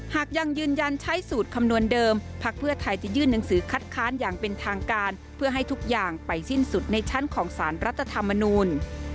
หากยังยืนยันใช้สูตรคำนวณเดิมพักเพื่อไทยจะยื่นหนังสือคัดค้านอย่างเป็นทางการเพื่อให้ทุกอย่างไปสิ้นสุดในชั้นของสารรัฐธรรมนูล